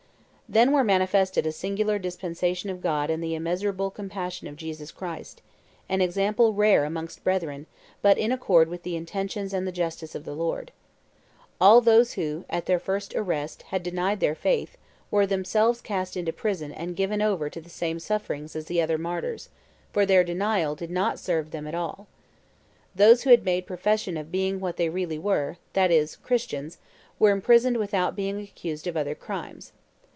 "Then were manifested a singular dispensation of God and the immeasurable compassion of Jesus Christ; an example rare amongst brethren, but in accord with the intentions and the justice of the Lord. All those who, at their first arrest, had denied their faith, were themselves cast into prison and given over to the same sufferings as the other martyrs, for their denial did not serve them at all. Those who had made profession of being what they really were that is, Christians were imprisoned without being accused of other crimes.